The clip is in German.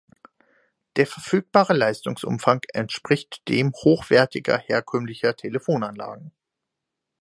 Der verfügbare Leistungsumfang entspricht dem hochwertiger herkömmlicher Telefonanlagen.